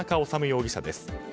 容疑者です。